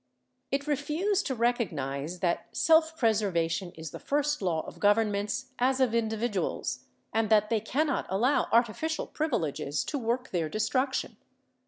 It refused to recognize that self preservation is the first law of governments as of individuals, and that they cannot allow artificial privileges to work their destruction.